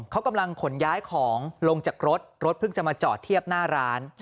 เขากำลังขนย้ายของลงจากรถรถเพิ่งจะมาจอดเทียบหน้าร้าน